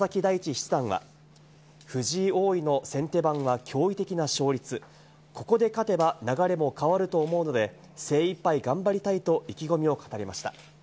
七段は藤井王位の先手番は驚異的な勝率、ここで勝てば流れも変わると思うので、精いっぱい頑張りたいと意気込みを語りました。